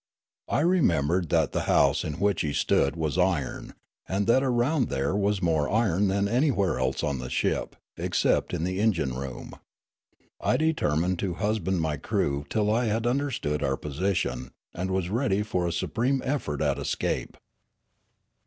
I remembered that the house in which he stood was iron, and that around there was more iron than any where else on the ship, except in the engine room. I determined to husband my crew till I had understood our position, and was ready for a supreme effort at escape.